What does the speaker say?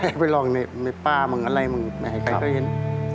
แอบไปร้องในป้ามึงอะไรมึงไม่ให้ใครเข้าเห็น